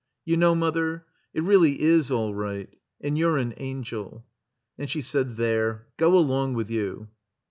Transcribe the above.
"You know, Mother, it reelly is all right. And you're an angel." And she said, "There! Go along with you."